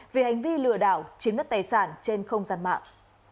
vì hành vi lừa đảo chiếm đất tài sản trên không gian mạng